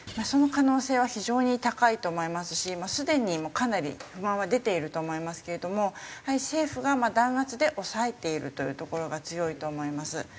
その可能性は非常に高いと思いますしすでにかなり不満は出ていると思いますけれどもやはり政府が弾圧で抑えているというところが強いと思います。